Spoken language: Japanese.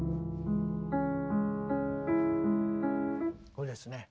これですね。